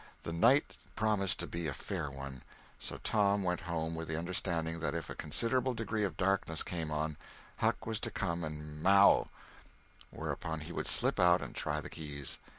The night promised to be a fair one; so Tom went home with the understanding that if a considerable degree of darkness came on, Huck was to come and "maow," whereupon he would slip out and try the keys.